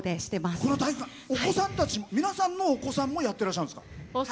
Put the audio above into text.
お子さんたち皆さんのお子さんもやってらっしゃるんですか？